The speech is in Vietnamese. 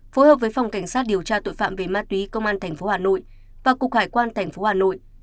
phối hợp với phòng cảnh sát điều tra tội phạm về ma túy công an thành phố hà nội và cục hải quan thành phố hà nội